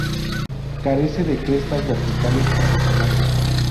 Carece de crestas verticales adicionales.